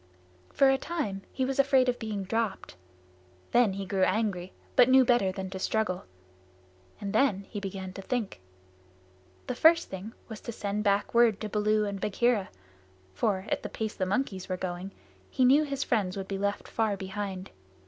For a time he was afraid of being dropped. Then he grew angry but knew better than to struggle, and then he began to think. The first thing was to send back word to Baloo and Bagheera, for, at the pace the monkeys were going, he knew his friends would be left far behind.